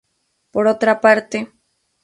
Por otra parte.